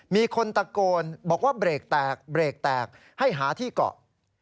มีคนตะโกนบอกว่าเบรกแตกเบรกแตกให้หาที่เกาะ